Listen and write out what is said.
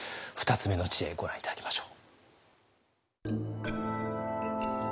２つ目の知恵ご覧頂きましょう。